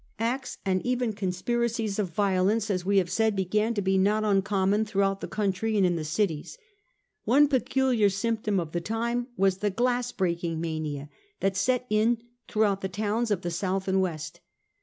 Acts and even conspiracies of violence, as we have said, began to be not uncommon throughout the country and in the cities. One peculiar symptom of the time was the • glass breaking mania that set in throughout the towns' of the south and west.